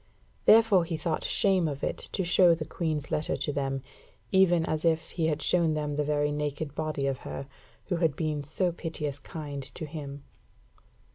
Therefore he thought shame of it to show the Queen's letter to them, even as if he had shown them the very naked body of her, who had been so piteous kind to him.